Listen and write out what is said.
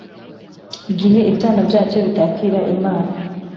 igihe ibyana byacyo bitakira imana